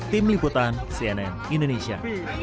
tim liputan cnn indonesia